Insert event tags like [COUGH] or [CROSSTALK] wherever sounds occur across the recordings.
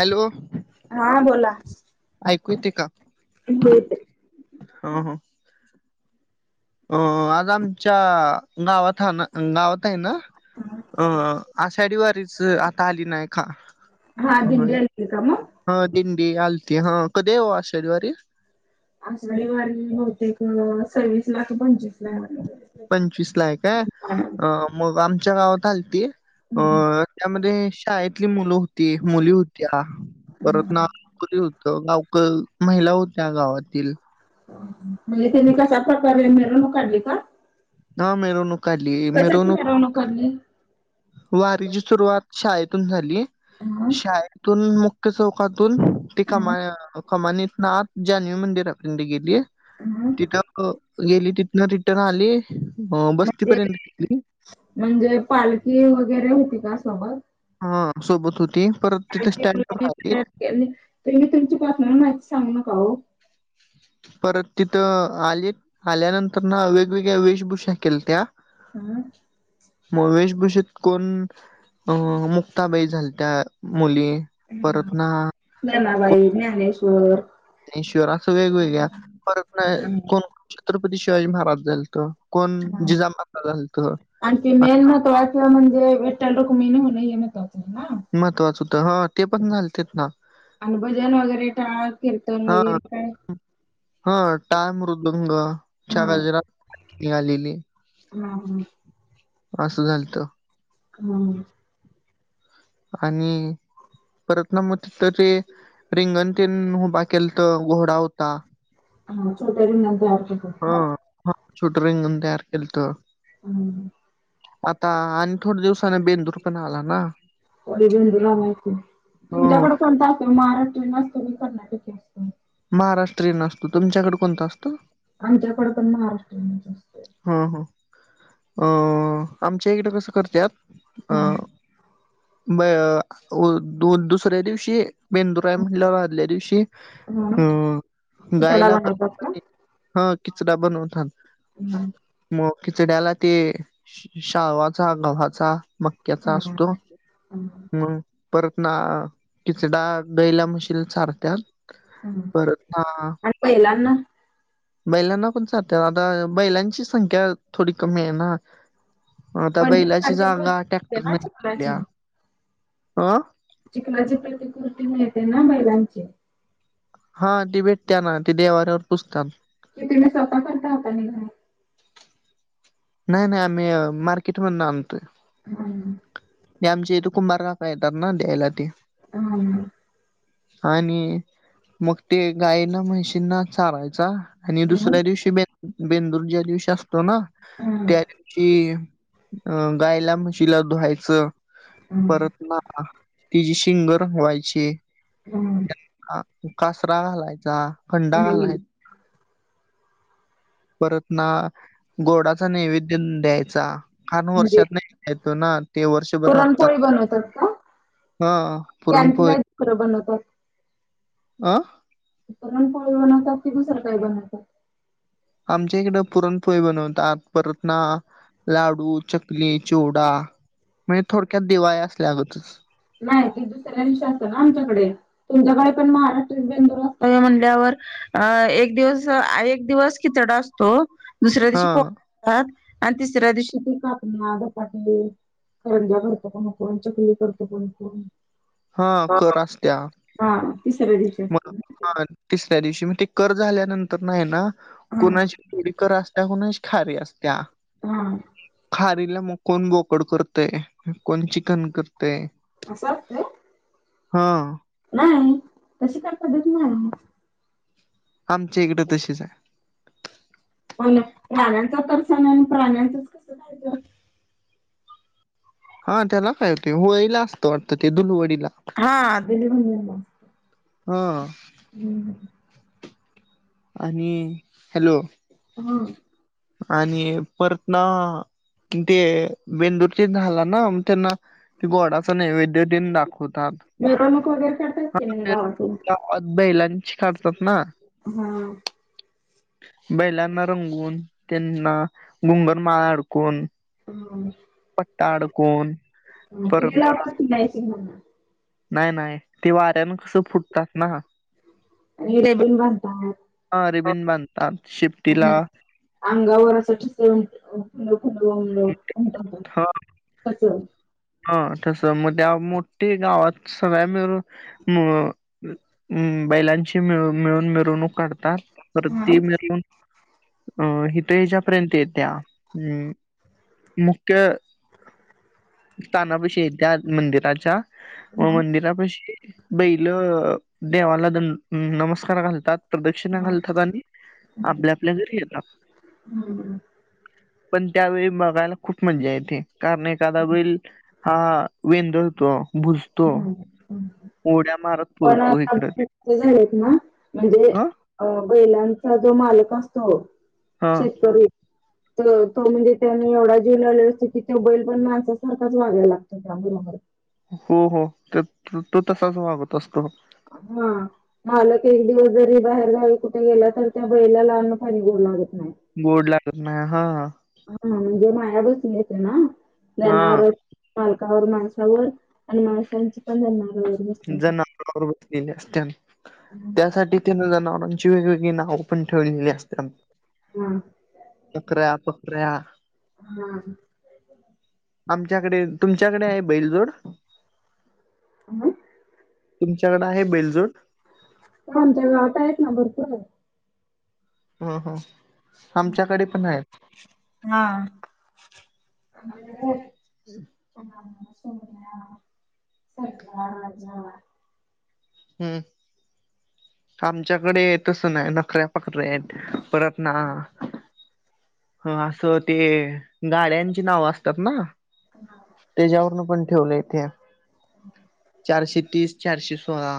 Hello हा बोला. ऐकू येते का हो येतंय हा ह अ आज आमच्या गावात हाना गावत आहे ना अ आषाढीवारीच आता आली नाय का हा दिंडी येते का मग हा दिंडी आलती हा कधीय हो आषाढी वारी आषाढी वारी बहुतेक सव्वीस ला क पंचवीस ला पंचवीस ला हायक आहे हा. अ मग आमच्या गावात आलती अ हम्म त्यामध्ये शाळेतली मुलं होती मुली होत्या परत नाव नोकरी होत गावक महिला होत्या गावातील म्हणजे त्याने कशा प्रकारे मिरवणूक काढली का ना मिरवणूक काढली कशाची मिरवणूक काढली? वारीची सुरुवात शाळेतून झाली हा शाळेतून मुख्य चौक कातून ती हा कमा कमानीतनाथ जान्हवी मंदिरपर्यंत गेलीय हा तिथं गेली तिथन रिटर्न आली अ म्हणजे बस्तीपर्यंत गेली म्हणजे पालखी वगैरे होती का सोबत हा सोबत होती परत तिथे स्टँड प राहलीत त मी तुमच्या बातम्याला माहिती सांगू नका हो परत तिथं आलीत आल्यानंतर ना वेगवेगळ्या वेशभूषा केलत्या [INAUDIBLE] मग वेशभूषेत कोण अ मुक्ताबाई झालत्या मुली परत ना जनाबाई ज्ञानेश्वर श्वर असं वेगवेगळे परत नाही हा. कोण छत्रपती शिवाजी महाराज झालत कोण हा जिजा माता झालतं आणि ती मेन महत्वाच म्हणजे विठठ्ल रुक्मिणी होण हे महत्वाचं आहे ना महत्वाचं तर ह ते पण झालतीत ना आणि भजन वगैरे टाळ कीर्तन हा वगैरे काय हा टाळ मृदंग हा गजरात निघालेली हा हा असं झालंत हम् आणि, परत ना मग तिथं ते रिंगण तेन उभा केलतं, घोडा होता. हम छोटे रिंगण तयार केलं हा, हा छोटं रिंगण तयार केलतं. [UNINTELLIGIBLE] आता आणि थोडं दिवसाने बेंदूर पण आला ना? होय बेंदूर आलाय की, हो तुमच्याकडे कोणता असतो महाराष्ट्रीयन असतो की कर्नाटकी असतो? महाराष्ट्रीयन असतो. तुमच्याकडे कोणता असतो? आमच्याकडे पण महाराष्ट्रीयनच अस हा हा, अ आमच्या इकडें कसं करत्यात अ हा ब अ दु दुसऱ्या दिवशी बेंदूर आहे म्हणल्यावर आदल्या दिवशी, हा अं खिचडा गायला बनवतात का? [UNINTELLIGIBLE] हा किचडा बनवथान. हम् मग खिचड्याला ते शाळावाचा, गव्हाचा म क्याचा हा. असतो. हा हा मग परत ना किचडा गाईला, म्हशीला चारत्यात परत ना आणि बैलांना बैलांना पण चारत्यात आता बैलांची संख्या थोडी कमी आहे ना, आता पण ती बैलाची कृती जागा असते ना टॅक्टरनं घितल्या. चिखलाची. अ चिखलाची प्रतिकृती मिळते ना बैलांची हा ती भेटते ना, ती देव्हाऱ्यावर पूजता ते तुम्ही [UNINTELLIGIBLE] नाही नाही नाही, आम्ही अ मार्केट मधून आणतोय. हम्म ते आमच्या इथे कुंभार काका येतात ना द्यायला ते. [UNINTELLIGIBLE] आणि मग ते गाईंना, म्हशींना चारायचा. आणि दुसऱ्या हम्म दिवशी ब बेंदूर ज्या दिवशी असतो ना त्या दिवशी अ गायला, म्हशीला धुवायचं हम्म परत ना तिची शिंग रंगवायची. हम् हा कासरा घालायचा, कंडा नाही घालाय परत ना, गोडाचा नैवेद्य द्यायचा. खान वर्षातनं एकदा येतो ना, ते वर्षभर [UNINTELLIGIBLE] पोळी बनवतात का? हा पुरणपोळी खरं बनवत्यात. आ? पुरणपोळी बनवतात की दुसरं काही बनवतात? आमच्या इकडं पुरणपोळी बनवतात परत ना लाडू, चकली, चिवडा म्हणजे थोडक्यात दिवाळी असल्यागतच. नाही ते दुसऱ्या दिवशी असत ना आमच्याकडे. तुमच्याकडे पण महाराष्ट्र बेंदूर असतंय म्हणल्यावर अ एक दिवस एक दिवस खिचडा असतो, दुसऱ्या दिवशी हा पो आणि तिसऱ्या दिवशी ती कापन्या, धपाटे करंजा करतो, कोण चकली करतो कोण कोण हा कर असत्या का? तिसऱ्या दिवशी असतं ते. ह तिसऱ्या दिवशी, म ते कर झाल्यानंतर हाय ना, हा कुणाची थोडी कर असल्याव नाय श खरी असत्या. हा. खारीला मग कोण गोकड करते कोण चिकन करतेय. असं वाटतंय. हा. नाही तशी काही पद्धत नाही. आमचे इकडे तशीच आहे. पण प्राण्यांचा तरसा नाही आणि प्राण्यांचच कसं खयचं. हा त्याला काय होते होळीला असतं वाटतं ते दुलवडीला. हा दिली म्हणजे. हा. हम. आणि हॅलो. हम. आणि परत ना ते बेंदूरचे झाला ना त्यांना. त बोडाच नैवेद्य दिन दाखवतात. मिरवणूक वगैरे करतात की नाही गावातून? हा अबाई लंच काढतात ना. हा. बैलांना रंगून त्यांना गुंगर माळा अडकून. पट्टा अडकून ह परत इथला वा नाही सि. नाही नाही ते वाऱ्यान कसं फुटतात ना. हेे बता. हा रिबीन बांधतात शिपटीला. अंगावर असं ठसु खुल उमटवत हा कस. हा तस मग त्या मोठठी गावात सग्या मिळून. अ बैलांची मिळ मिळून मिरवणूक काढतात. तर हा. त मिळून. अ हिथ ह्याच्यापर्यंत येत्या अ मुख्य. स्थानापशी येत्या मंदिराच्या व हा. मंदिरापशी. बैल देवाला द नमस्कार घालतात. प्रदक्षिणा हा. घालतात आणि हम्म. आपल्या आपल्या घरी येतात. हम्म. पण त्यावेळी बघायला खूप मजा येते कारण एखादा वेळी. हा वेंद होतो भुस. ह पण पळतो इकडं झाले ना म्हणजे. ह अ बैलांचा जो मालक असतो हा शेतकरी. तो म्हणजे त्यानी एवढा जे लावले असतो की ते बैल पण माणसासारखाच वागायला लागतो. चां [INAUDIBLE] हो हो तो तसाच वागत असतो हम् मालक एक दिवस जरी बाहेर जावी कुठे गेला तर त्या बैलाला अ्न पाणी गोर लागत नाही गोड लागत नाही हा हा ह म्हणजे मायाबसून मिळेते ना दन हा मालकावर माणसावर आणि माणसांची पण जन्मा जवर बसले असत त्यासाठी जनावरांची वेगवेगळी नावं पण ठेवलेली असत हम्म पकऱ्या पकऱ्या हम् आमच्याकडे तुमच्याकडे आहे बैलजोड ह तुमच्याकड आहे बेलजोड, आमच्या गावात आहेत ना भरपूर आहे. हम हम आमच्याकडे पण आहेत. हा. [INAUDIBLE] आमच्याकडे, [UNINTELLIGIBLE] [UNINTELLIGIBLE] हम्, आमच्याकडे तसं नाही ना [UNINTELLIGIBLE] पकऱ्या आहेत परत ना ह असं ते गाड्यांची नाव असतात ना [INAUDIBLE] त्याच्यावरून पण ठेवलं ते चारशे तीस चारशे सोळा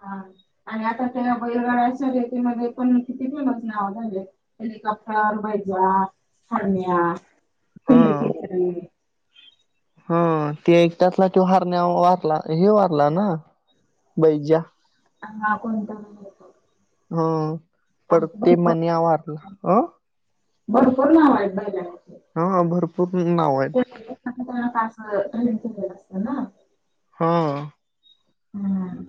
हा आणि आता ते बैलगड अस रतीमध्ये पण किती पणच नाव झाले, हेलिकॉप्टर बैजा हरण्या, [UNINTELLIGIBLE] हा ते ऐटातला कि हारण्या वारला हे वारला ना, बैजा. हंहा कोणता होतं? हं पर आणखी ते भरपूर म्हन आवारलं अ, [INAUDIBLE] भरपूर नाव आहेत बैलांचे. हा भरपूर नाव आहेत. आताला पास टेन केलेलं असतं ना हा, हम्म,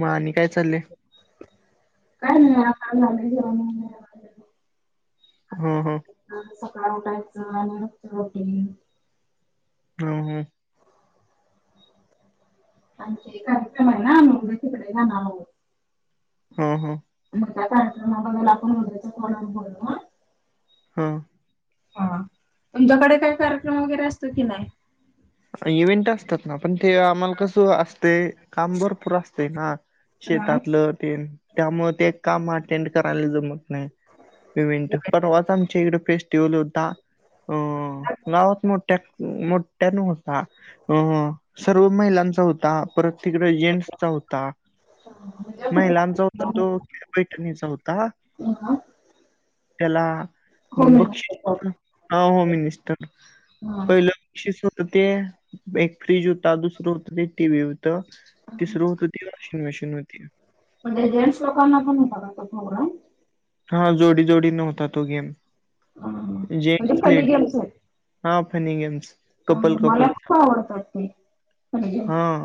मग आणि काय चाललंय. [INAUDIBLE] काय नाही, [UNINTELLIGIBLE] हम्-हम, ह सकाळ उ टायचं आणित रोटी हो-हो, आण ते कार्यक्रम ना उकडे ना हम-हम, म त्या्या कार्यक्रमा बद्दल आपण उद्याच्या कोणावर बोलू ना, हा, हा तुमच्याकडे काही कार्यक्रम वगैरे असतो की नाही. इव्हेंट असतात ना पण ते आम्हाला कसं असते काम भरपूर असते ना, हा. शेतातलं ते त्यामुळे ते काम अटेंड करायला जमत नाही [INAUDIBLE] इव्हेंट पण आज आमच्या इकडे फेस्ट ते ल होता अ गावात मोठ्या मोठ्या नत ह अ सर्व महिलांचा होता. परत तकडे जेंट्सचा होता म्हणजे [INAUDIBLE] महिलांचा होता कुठला? तो, तिजा पैठणीचा होता [INAUDIBLE] त्याला होम हं मिनिस्टर. बक्षीस हां होममिनिस्टर हा पहिलं [INAUDIBLE] शिस होत, ते एक फ्रीज हुता दुसरं हुत ते टीव्ही हुत तिसरं हुत ते शिंग मशीन हुती म्हणजे जेंट्स लोकांना पण हुता काय तो प्रोग्राम. हां जोडी जोडीन हुता तो गेम. हां हां [INAUDIBLE] म्हणजे फनी गेम्स आहेत. हां फनी गेम्स अ कपल मला खूप आवडतात ते, फनी गेम्स हां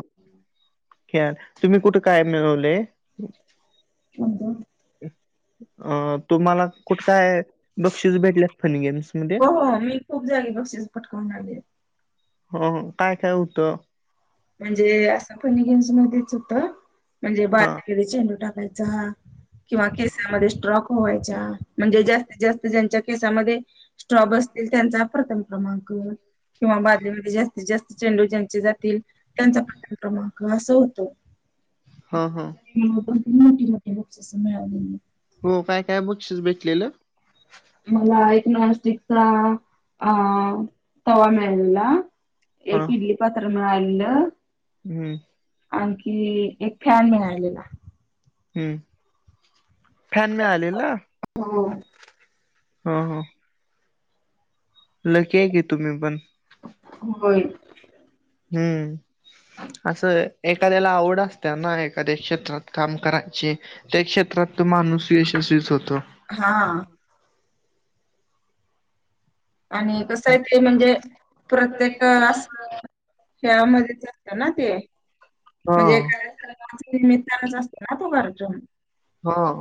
खेळात तुम्ही कुठ काय मिळवलय. [INAUDIBLE] [UNINTELLIGIBLE] अं तुम्हाला कुठ काय बक्षीस भेटल्यात फनी गेम्स. मध्ये? हो हो मी खूप जागी बक्षीस पटकऊन आलीये, हो हो काय काय हुत, म्हणजे असं फनी गेम्स मध्येच होतं म्हणजे बा. हा [INAUDIBLE] चेंडू टाकायचा किंवा केसांमध्ये स्ट्रॉ होयच्या म्हणजे जास्तीत जास्त ज्यांच्या केसामध्ये स्ट्रॉ बसतील त्यांचा प्रथम क्रमांक किंवा बादली मधे जास्तीत जास्त चेंडू ज्यांचे जातील त्यांचा प्रथम क्रमांक असं होतं. हां हां. हो पण ती मोठी-मोठी बक्षीस मिळालेली. हो काय-काय बक्षीस भेटलेलं. मला एक नॉनस्टिकचा आं तवा मिळालेला, हा एक इडली पात्र मिळालेला हम्म. आणखी एक फॅन मिळालेला. हम्म, फॅन मिळालेला? होय. हां हां. लकी हाय की तुमी पण. होय. हम्म असं आहे एखाद्याला आवड असत्याना. एखाद्या क्षेत्रात काम करा चे त्या क्षेत्रात तो माणूस यशस्वीच होतो. हां. आणि कसं हाय ते म्हणजे प्रत्येक असं शेयां मध्येच असत ना ते. हा. म्हणजे [INAUDIBLE] मित्रचा असतो ना तो अर्जुन. हा.